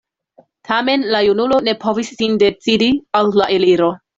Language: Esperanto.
Tamen la junulo ne povis sin decidi al la eliro.